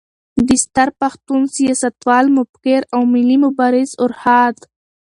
د ستر پښتون، سیاستوال، مفکر او ملي مبارز ارواښاد